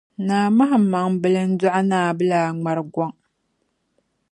Naa Mahanmaŋ bila n-dɔɣi Naa Abdulai ŋmarugɔŋ: